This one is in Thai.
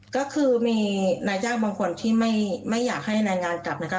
ก็คือมีนายจ้างบางคนที่ไม่อยากให้รายงานกลับนะคะ